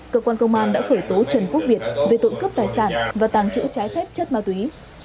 cơ quan công an đã khởi tố trần quốc việt về tội cướp tài sản và tàng trữ trái phép chất ma túy